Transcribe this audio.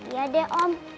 iya deh om